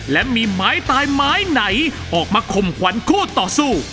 และมีไม้ตายไม้ไหนออกมาข่มขวัญคู่ต่อสู้